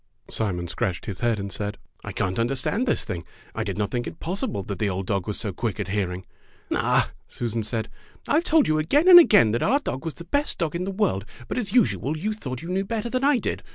Simon scratched his head and said: "I can't understand this thing. I did not think Fairy Tale Foxes 79 it possible that the old dog was so quick at hearing." "Ah!" Susan said, "I have told you again and again that our old dog was the best dog in the world, but as usual you thought you knew better than I did